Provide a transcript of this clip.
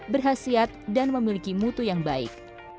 berhasil dan memiliki mutu yang baik